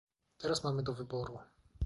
Teraz mamy do wyboru